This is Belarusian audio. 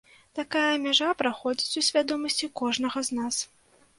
Такая мяжа праходзіць у свядомасці кожнага з нас.